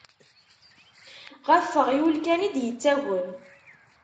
Ɣef uɣyul kan i d-yettagem.